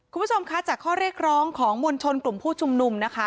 คุณผู้ชมคะจากข้อเรียกร้องของมวลชนกลุ่มผู้ชุมนุมนะคะ